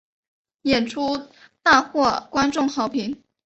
演出大获观众好评。